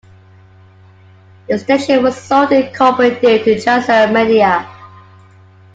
The station was sold in a corporate deal to Chancellor Media.